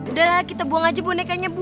udah kita buang aja bonekanya bu